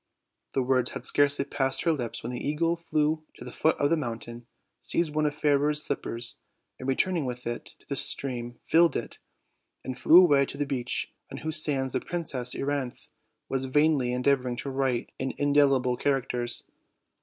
The words had scarcely passed her lips when the eagle flew to the foot of the mountain, seized one of Fairer's slippers, and, returning with if to the stream, filled it, arid flew away to the beach, on whose sands the Princess Euryanthe was vainly endeavoring to write in indelible characters.